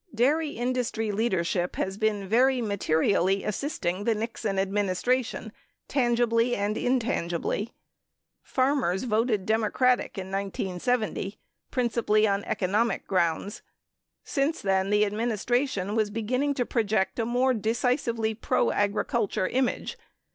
Dairy industry leadership has been very materially assisting the Nixon administration tan gibly and intangibly. Farmers voted Democratic in 1970, principally on economic grounds. Since then the Administra tion was beginning to project a more decisive pro agricul ture image.